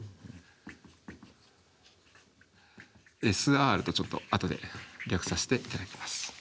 「ＳＲ」とちょっとあとで略させて頂きます。